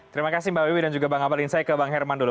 terima kasih mbak wiwi dan juga bang abalin saya ke bang herman dulu